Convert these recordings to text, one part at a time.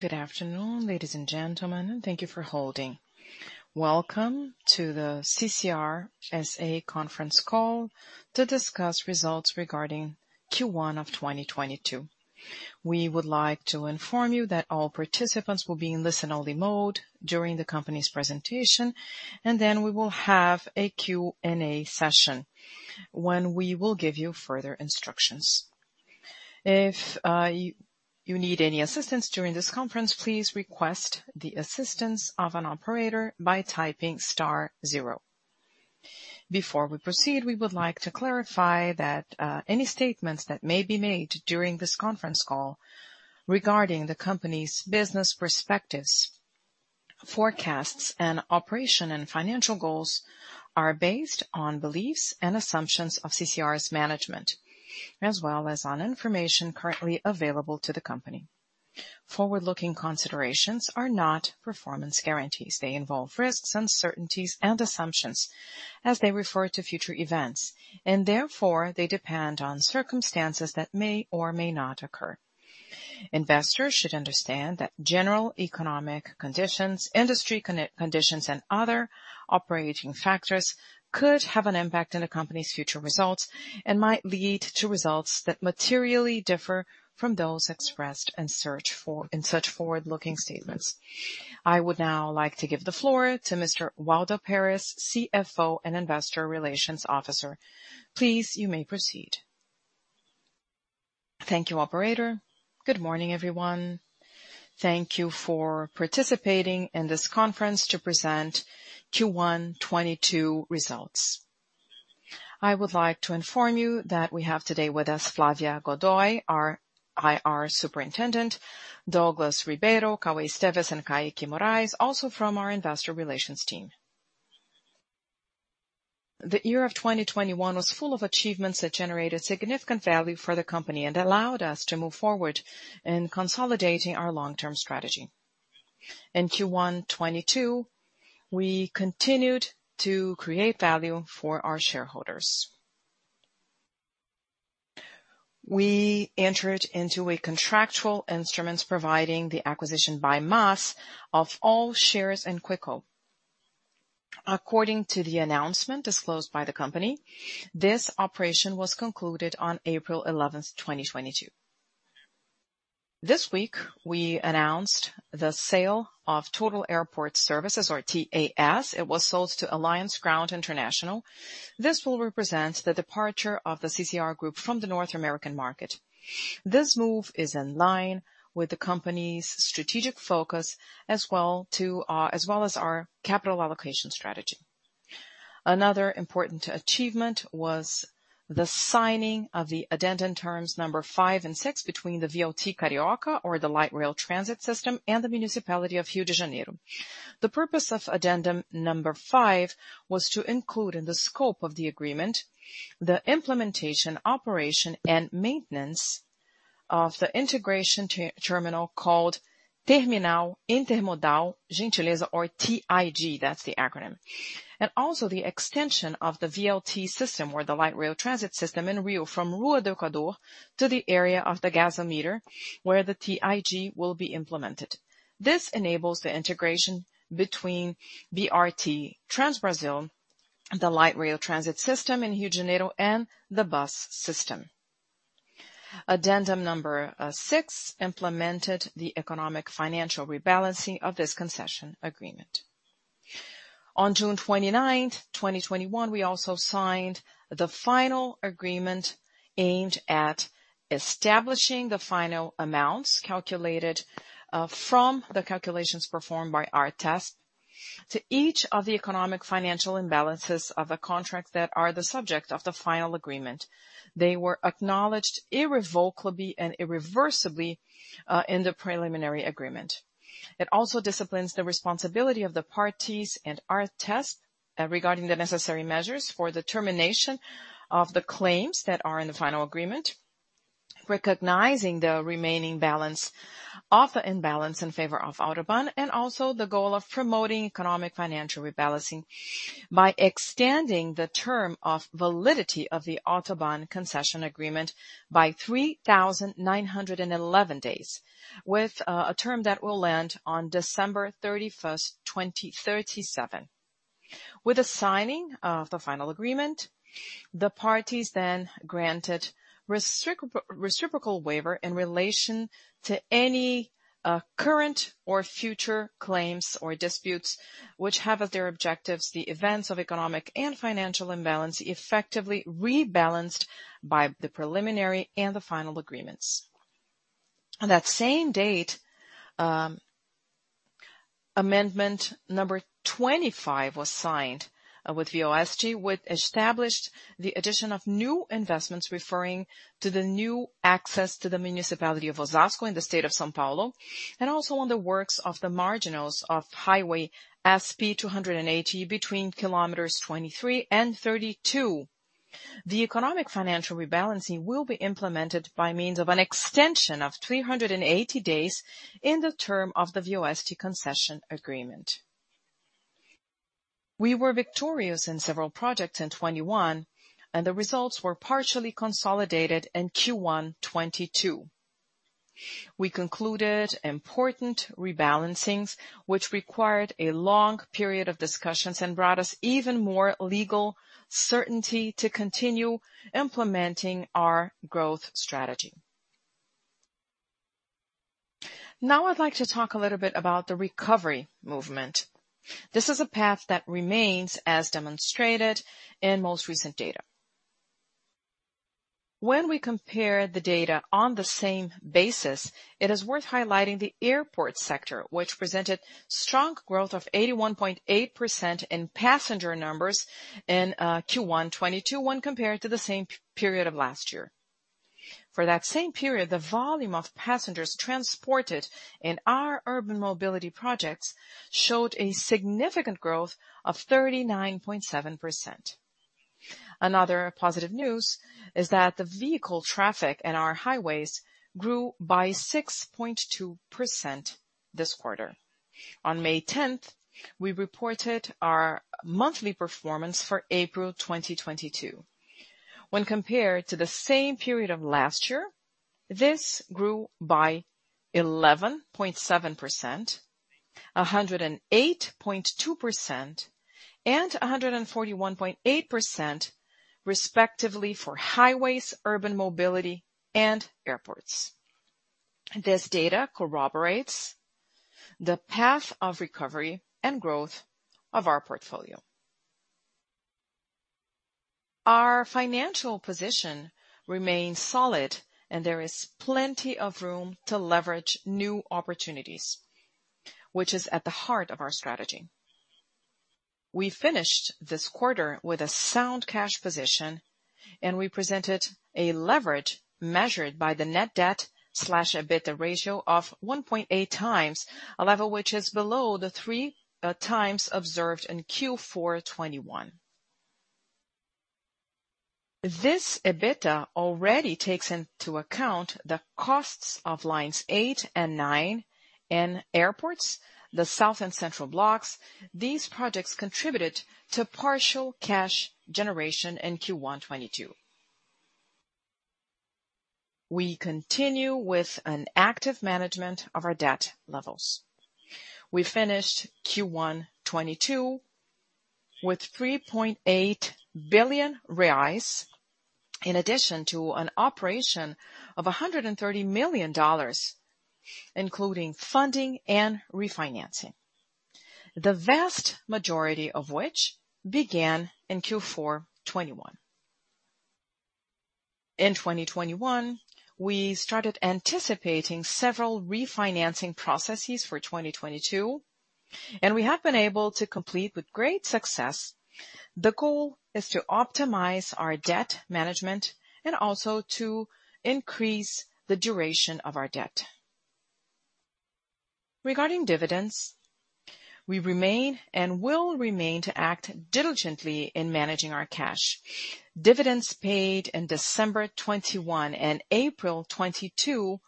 Good afternoon, ladies and gentlemen. Thank you for holding. Welcome to the CCR S.A. conference call to discuss results regarding Q1 of 2022. We would like to inform you that all participants will be in listen only mode during the company's presentation, and then we will have a Q&A session when we will give you further instructions. If you need any assistance during this conference, please request the assistance of an operator by typing star zero. Before we proceed, we would like to clarify that any statements that may be made during this conference call regarding the company's business perspectives, forecasts, and operation and financial goals are based on beliefs and assumptions of CCR's management, as well as on information currently available to the company. Forward-looking considerations are not performance guarantees. They involve risks, uncertainties, and assumptions as they refer to future events, and therefore they depend on circumstances that may or may not occur. Investors should understand that general economic conditions, industry conditions, and other operating factors could have an impact in the company's future results and might lead to results that materially differ from those expressed in such forward-looking statements. I would now like to give the floor to Mr. Waldo Perez, CFO and Investor Relations Officer. Please, you may proceed. Thank you, operator. Good morning, everyone. Thank you for participating in this conference to present Q1 2022 results. I would like to inform you that we have today with us Flávia Godoy, our IR Superintendent, Douglas Ribeiro, Cauê Cunha, and Caique Moraes, also from our investor relations team. The year of 2021 was full of achievements that generated significant value for the company and allowed us to move forward in consolidating our long-term strategy. In Q1 2022, we continued to create value for our shareholders. We entered into a contractual instruments providing the acquisition by MaaS of all shares in Quicko. According to the announcement disclosed by the company, this operation was concluded on April 11th, 2022. This week we announced the sale of Total Airport Services or TAS. It was sold to Alliance Ground International. This will represent the departure of the CCR Group from the North American market. This move is in line with the company's strategic focus as well as our capital allocation strategy. Another important achievement was the signing of the addendum terms number five and six between the VLT Carioca or the Light Rail Transit system and the Municipality of Rio de Janeiro. The purpose of addendum number five was to include in the scope of the agreement the implementation, operation, and maintenance of the integration terminal called Terminal Intermodal Gentileza or TIG, that's the acronym. Also the extension of the VLT system or the Light Rail Transit system in Rio from Rua do Equador to the area of the Gasômetro where the TIG will be implemented. This enables the integration between BRT TransBrasil, the Light Rail Transit system in Rio de Janeiro, and the bus system. Addendum number six implemented the economic financial rebalancing of this concession agreement. On June 29th, 2021, we also signed the final agreement aimed at establishing the final amounts calculated from the calculations performed by ARTESP to each of the economic financial imbalances of the contract that are the subject of the final agreement. They were acknowledged irrevocably and irreversibly in the preliminary agreement. It also disciplines the responsibility of the parties and ARTESP regarding the necessary measures for the termination of the claims that are in the final agreement, recognizing the remaining balance of the imbalance in favor of Autoban, and also the goal of promoting economic financial rebalancing by extending the term of validity of the Autoban concession agreement by 3,911 days, with a term that will end on December 31st, 2037. With the signing of the final agreement, the parties then granted reciprocal waiver in relation to any current or future claims or disputes which have as their objectives the events of economic and financial imbalance effectively rebalanced by the preliminary and the final agreements. On that same date, amendment number 25 was signed with ViaOeste, which established the addition of new investments referring to the new access to the municipality of Osasco in the state of São Paulo, and also on the works of the marginals of Highway SP 280 between 23 km and 32 km. The economic financial rebalancing will be implemented by means of an extension of 380 days in the term of the ViaOeste concession agreement. We were victorious in several projects in 2021, and the results were partially consolidated in Q1 2022. We concluded important re-balancings which required a long period of discussions and brought us even more legal certainty to continue implementing our growth strategy. Now I'd like to talk a little bit about the recovery movement. This is a path that remains as demonstrated in most recent data. When we compare the data on the same basis, it is worth highlighting the airport sector, which presented strong growth of 81.8% in passenger numbers in Q1 2022 when compared to the same period of last year. For that same period, the volume of passengers transported in our urban mobility projects showed a significant growth of 39.7%. Another positive news is that the vehicle traffic in our highways grew by 6.2% this quarter. On May 10th, we reported our monthly performance for April 2022. When compared to the same period of last year, this grew by 11.7%, 108.2%, and 141.8% respectively for highways, urban mobility, and airports. This data corroborates the path of recovery and growth of our portfolio. Our financial position remains solid, and there is plenty of room to leverage new opportunities, which is at the heart of our strategy. We finished this quarter with a sound cash position, and we presented a leverage measured by the net debt/EBITDA ratio of 1.8x, a level which is below the 3x observed in Q4 2021. This EBITDA already takes into account the costs of lines eight and nine in airports, the Bloco Sul and Bloco Central. These projects contributed to partial cash generation in Q1 2022. We continue with an active management of our debt levels. We finished Q1 2022 with 3.8 billion reais, in addition to an operation of $130 million, including funding and refinancing, the vast majority of which began in Q4 2021. In 2021, we started anticipating several refinancing processes for 2022, and we have been able to complete with great success. The goal is to optimize our debt management and also to increase the duration of our debt. Regarding dividends, we remain and will remain to act diligently in managing our cash. Dividends paid in December 2021 and April 2022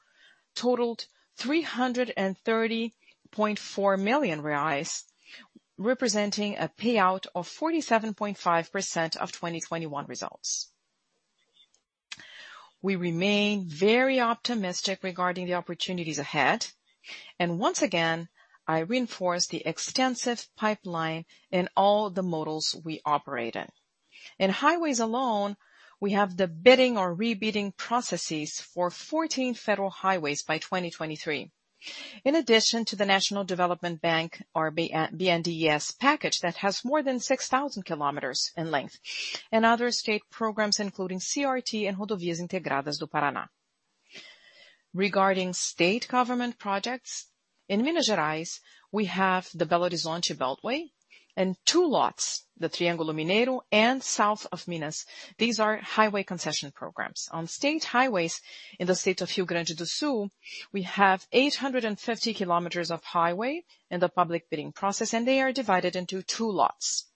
totaled 330.4 million reais, representing a payout of 47.5% of 2021 results. We remain very optimistic regarding the opportunities ahead, and once again, I reinforce the extensive pipeline in all the models we operate in. In highways alone, we have the bidding or re-bidding processes for 14 federal highways by 2023. In addition to the National Development Bank, or BNDES package that has more than 6,000 kilometers in length and other state programs, including CCR and Rodovias Integradas do Paraná. Regarding state government projects, in Minas Gerais, we have the Belo Horizonte Beltway and two lots, the Triângulo Mineiro and South of Minas. These are highway concession programs. On state highways in the state of Rio Grande do Sul, we have 850 kilometers of highway in the public bidding process, and they are divided into two lots.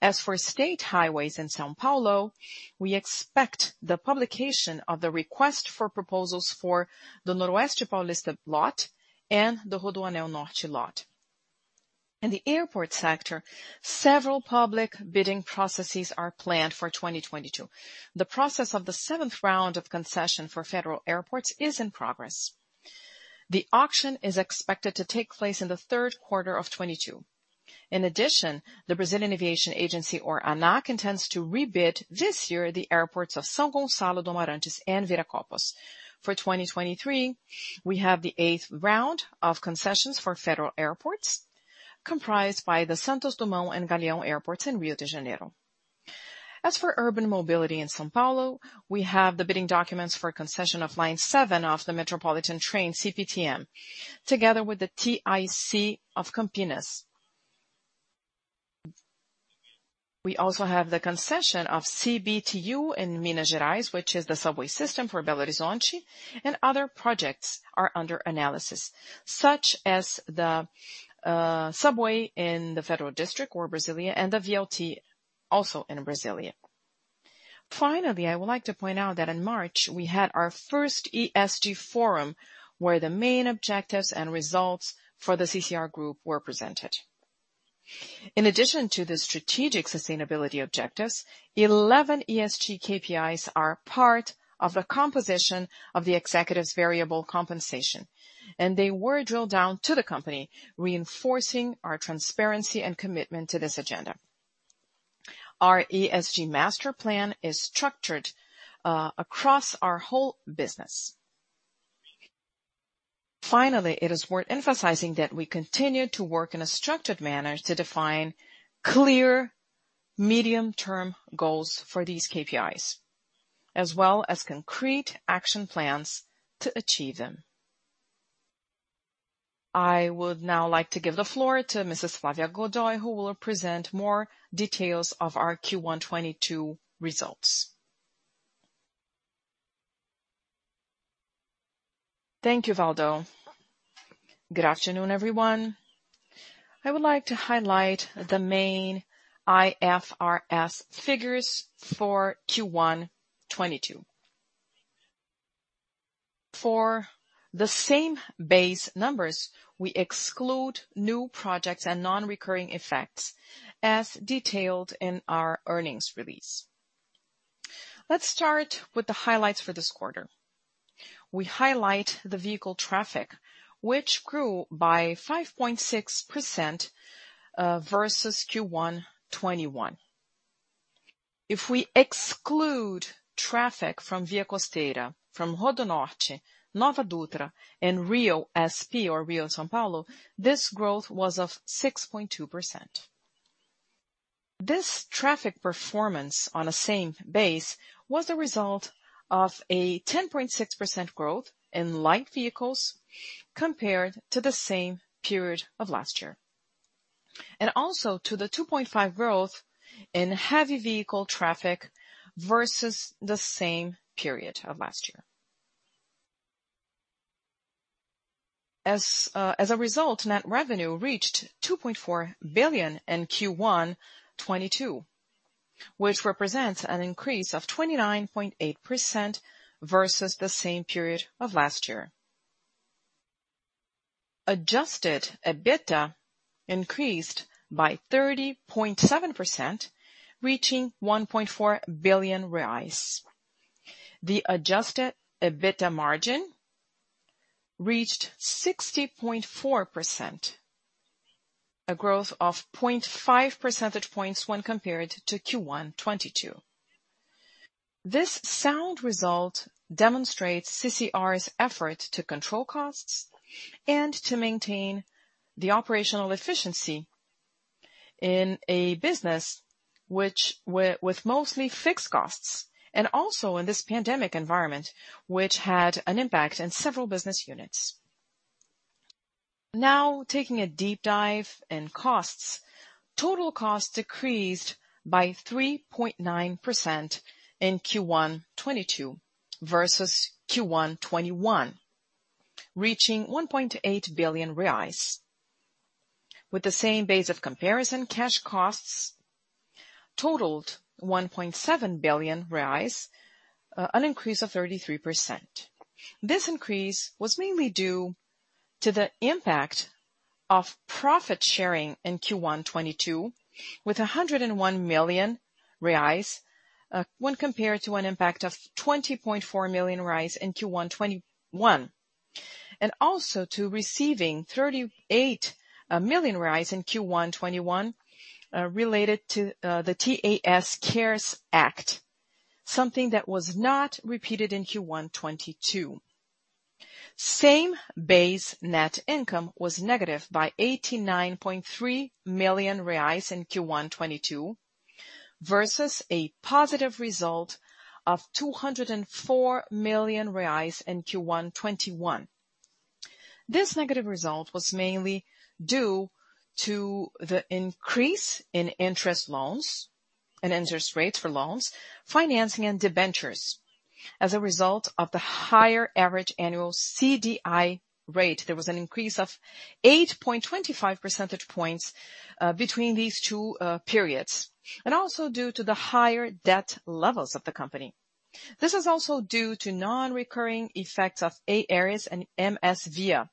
As for state highways in São Paulo, we expect the publication of the request for proposals for the Noroeste Paulista lot and the Rodoanel Norte lot. In the airport sector, several public bidding processes are planned for 2022. The process of the seventh round of concession for federal airports is in progress. The auction is expected to take place in the third quarter of 2022. In addition, the Brazilian Aviation Agency or ANAC intends to re-bid this year the airports of São Gonçalo, Dom Arantes, and Viracopos. For 2023, we have the eighth round of concessions for federal airports comprised by the Santos Dumont and Galeão airports in Rio de Janeiro. As for urban mobility in São Paulo, we have the bidding documents for concession of line seven of the Metropolitan Train, CPTM, together with the TIC of Campinas. We also have the concession of CBTU in Minas Gerais, which is the subway system for Belo Horizonte. Other projects are under analysis, such as the subway in the Federal District or Brasília, and the VLT also in Brasília. Finally, I would like to point out that in March, we had our first ESG forum, where the main objectives and results for the CCR group were presented. In addition to the strategic sustainability objectives, 11 ESG KPIs are part of the composition of the executives' variable compensation, and they were drilled down to the company, reinforcing our transparency and commitment to this agenda. Our ESG master plan is structured across our whole business. Finally, it is worth emphasizing that we continue to work in a structured manner to define clear medium-term goals for these KPIs, as well as concrete action plans to achieve them. I would now like to give the floor to Mrs. Flávia Godoy, who will present more details of our Q1 2022 results. Thank you, Waldo. Good afternoon, everyone. I would like to highlight the main IFRS figures for Q1 2022. For the same base numbers, we exclude new projects and non-recurring effects as detailed in our earnings release. Let's start with the highlights for this quarter. We highlight the vehicle traffic, which grew by 5.6% versus Q1 2021. If we exclude traffic from ViaCosteira, from RodoNorte, Nova Dutra, and RioSP, or Rio-São Paulo, this growth was of 6.2%. This traffic performance on a same base was the result of a 10.6% growth in light vehicles compared to the same period of last year. Also the 2.5% growth in heavy vehicle traffic versus the same period of last year. As a result, net revenue reached 2.4 billion in Q1 2022, which represents an increase of 29.8% versus the same period of last year. Adjusted EBITDA increased by 30.7%, reaching 1.4 billion reais. The adjusted EBITDA margin reached 60.4%, a growth of 0.5 percentage points when compared to Q1 2021. This sound result demonstrates Motiva's effort to control costs and to maintain the operational efficiency in a business which with mostly fixed costs, and also in this pandemic environment, which had an impact in several business units. Now taking a deep dive in costs. Total costs decreased by 3.9% in Q1 2022 versus Q1 2021, reaching 1.8 billion reais. With the same base of comparison, cash costs totaled 1.7 billion reais, an increase of 33%. This increase was mainly due to the impact of profit sharing in Q1 2022 with 101 million reais, when compared to an impact of 20.4 million in Q1 2021. Also to receiving 38 million reais in Q1 2021 related to the TAS CARES Act, something that was not repeated in Q1 2022. Same base net income was negative by 89.3 million reais in Q1 2022 versus a positive result of 204 million reais in Q1 2021. This negative result was mainly due to the increase in interest on loans and interest rates for loans, financing and debentures as a result of the higher average annual CDI rate. There was an increase of 8.25 percentage points between these two periods, and also due to the higher debt levels of the company. This is also due to non-recurring effects of CCR Aeroportos and MSVia.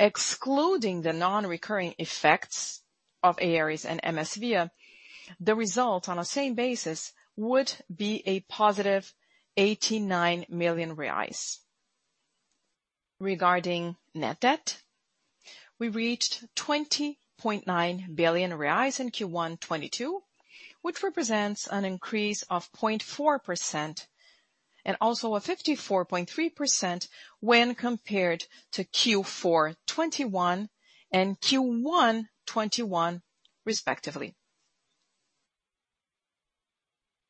Excluding the non-recurring effects of CCR Aeroportos and MSVia, the result on a same basis would be a positive 89 million reais. Regarding net debt, we reached 20.9 billion reais in Q1 2022, which represents an increase of 0.4%, and also a 54.3% when compared to Q4 2021 and Q1 2021, respectively.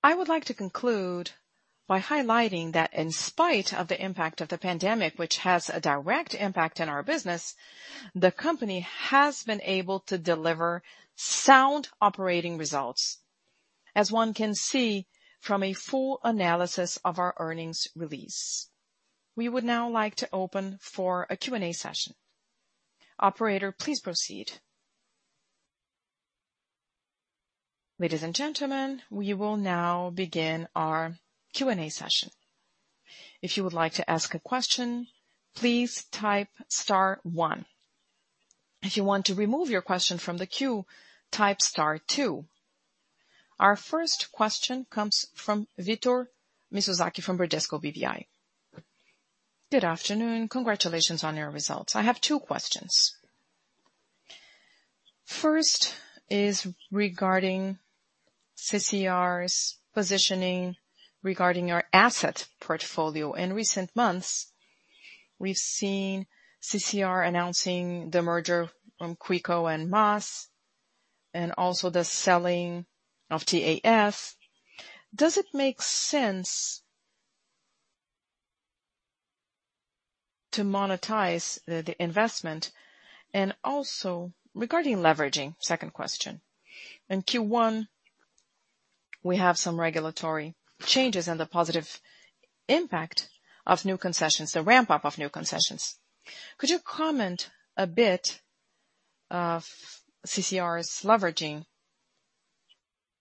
I would like to conclude by highlighting that in spite of the impact of the pandemic, which has a direct impact in our business, the company has been able to deliver sound operating results, as one can see from a full analysis of our earnings release. We would now like to open for a Q&A session. Operator, please proceed. Ladies and gentlemen, we will now begin our Q&A session. If you would like to ask a question, please type star one. If you want to remove your question from the queue, type star two. Our first question comes from Victor Mizusaki from Bradesco BBI. Good afternoon. Congratulations on your results. I have two questions. First is regarding CCR's positioning regarding our asset portfolio. In recent months, we've seen CCR announcing the merger from Quicko and Moss, and also the selling of TAS. Does it make sense to monetize the investment? And also regarding leveraging, second question. In Q1, we have some regulatory changes and the positive impact of new concessions, the ramp-up of new concessions. Could you comment a bit on CCR's leveraging,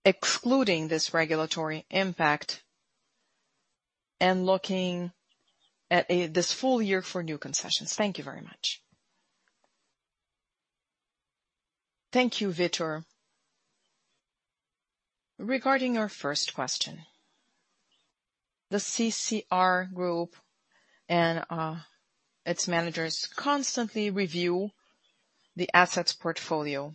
excluding this regulatory impact and looking at this full year for new concessions? Thank you very much. Thank you, Victor. Regarding your first question. The Motiva group and its managers constantly review the assets portfolio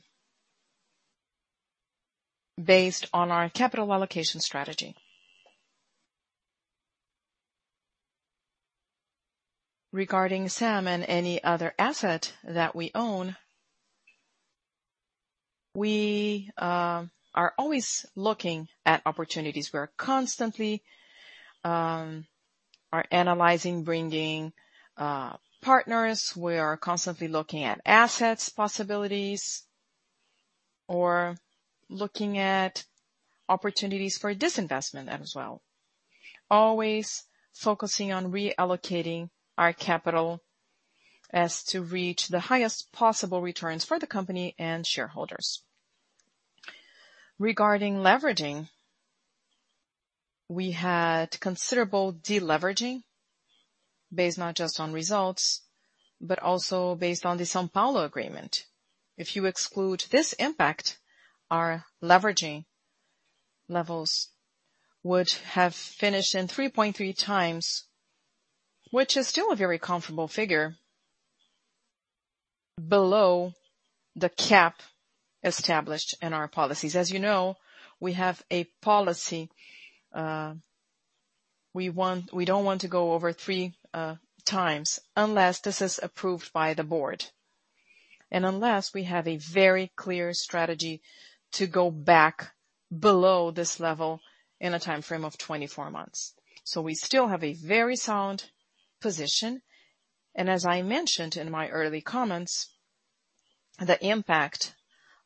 based on our capital allocation strategy. Regarding Samm and any other asset that we own, we are always looking at opportunities. We're constantly analyzing, bringing partners. We are constantly looking at assets possibilities or looking at opportunities for disinvestment as well. Always focusing on reallocating our capital so as to reach the highest possible returns for the company and shareholders. Regarding leverage, we had considerable deleveraging based not just on results, but also based on the São Paulo Agreement. If you exclude this impact, our leverage levels would have finished in 3.3x, which is still a very comfortable figure below the cap established in our policies. As you know, we have a policy, we want. We don't want to go over three times unless this is approved by the board and unless we have a very clear strategy to go back below this level in a timeframe of 24 months. We still have a very sound position. As I mentioned in my early comments, the impact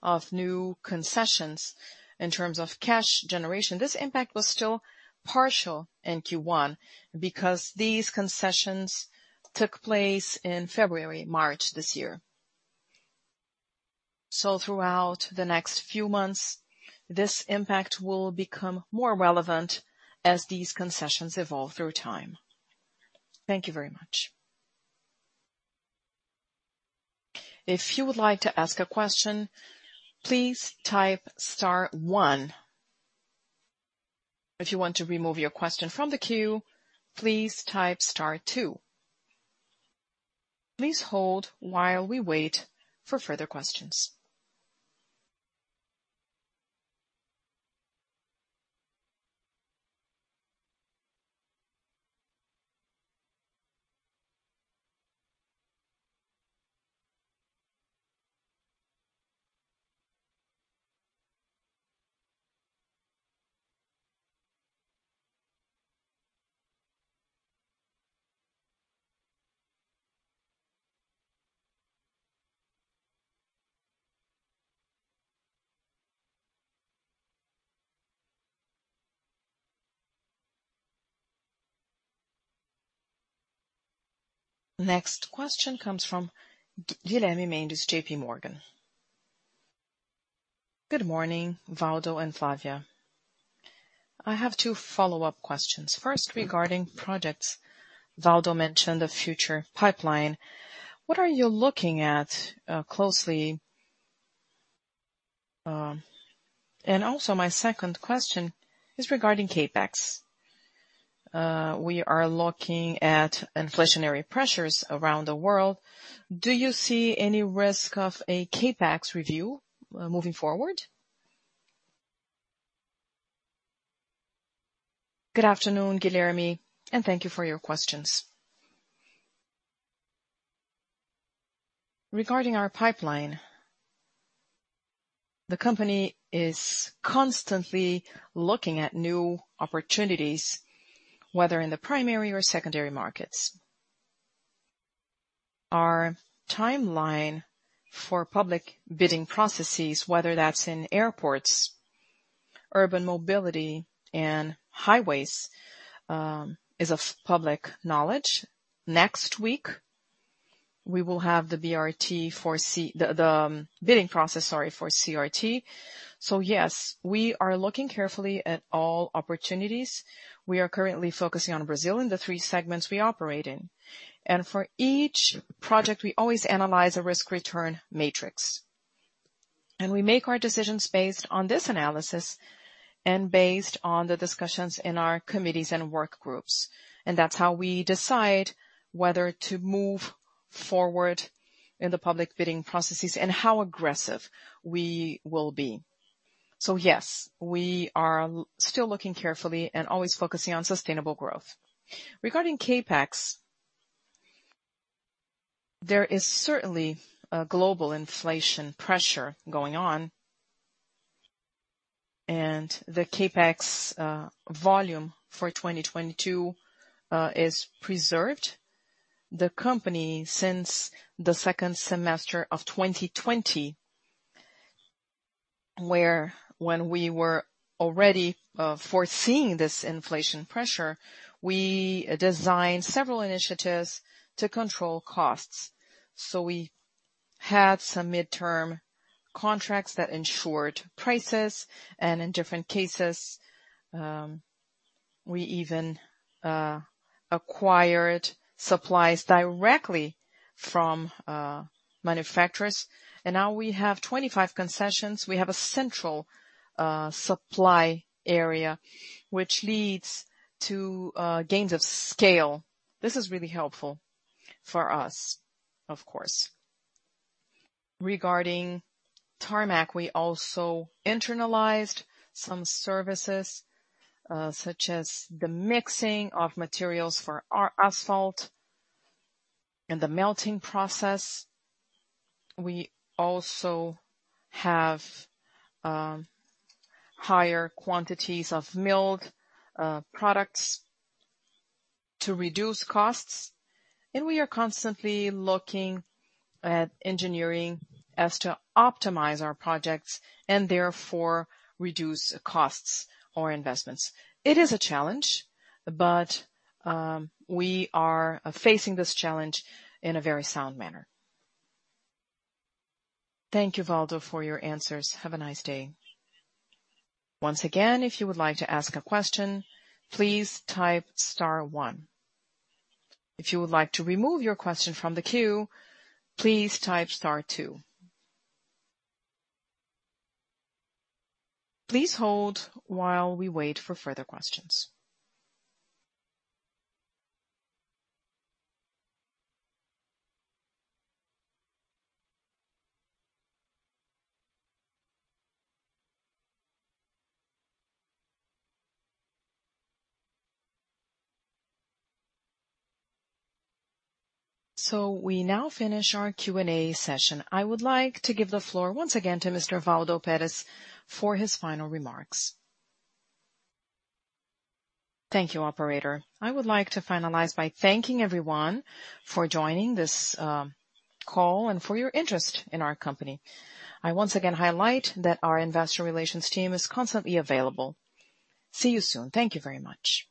of new concessions in terms of cash generation, th``is impact was still partial in Q1 because these concessions took place in February, March this year. Throughout the next few months, this impact will become more relevant as these concessions evolve through time. Thank you very much. If you would like to ask a question, please type star one. If you want to remove your question from the queue, please type star two. Please hold while we wait for further questions. Next question comes from Guilherme Mendes, JPMorgan. Good morning, Valdo and Flávia. I have two follow-up questions. First, regarding projects. Valdo mentioned the future pipeline. What are you looking at closely? Also my second question is regarding CapEx. We are looking at inflationary pressures around the world. Do you see any risk of a CapEx review moving forward? Good afternoon, Guilherme, and thank you for your questions. Regarding our pipeline, the company is constantly looking at new opportunities, whether in the primary or secondary markets. Our timeline for public bidding processes, whether that's in airports, urban mobility and highways, is of public knowledge. Next week, we will have the bidding process, sorry, for CRT. Yes, we are looking carefully at all opportunities. We are currently focusing on Brazil in the three segments we operate in. For each project, we always analyze a risk-return matrix. We make our decisions based on this analysis and based on the discussions in our committees and work groups. That's how we decide whether to move forward in the public bidding processes and how aggressive we will be. Yes, we are still looking carefully and always focusing on sustainable growth. Regarding CapEx, there is certainly a global inflation pressure going on, and the CapEx volume for 2022 is preserved. The company, since the second semester of 2020, when we were already foreseeing this inflation pressure, we designed several initiatives to control costs. We had some midterm contracts that ensured prices and in different cases, we even acquired supplies directly from manufacturers. Now we have 25 concessions. We have a central supply area which leads to gains of scale. This is really helpful for us, of course. Regarding tarmac, we also internalized some services, such as the mixing of materials for our asphalt and the melting process. We also have higher quantities of milled products to reduce costs. We are constantly looking at engineering as to optimize our projects and therefore reduce costs or investments. It is a challenge, but we are facing this challenge in a very sound manner. Thank you, Waldo, for your answers. Have a nice day. Once again, if you would like to ask a question, please type star one. If you would like to remove your question from the queue, please type star two. Please hold while we wait for further questions. We now finish our Q&A session. I would like to give the floor once again to Mr. Waldo Perez for his final remarks. Thank you, operator. I would like to finalize by thanking everyone for joining this call and for your interest in our company. I once again highlight that our investor relations team is constantly available. See you soon. Thank you very much.